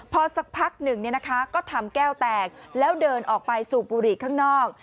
พอสักพักหนึ่งก็ทำแก้วแตกแล้วเดินออกไปสูบบุหรี่ข้างนอก